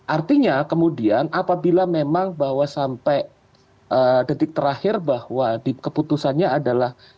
artinya kemudian apabila memang bahwa sampai detik terakhir bahwa keputusannya adalah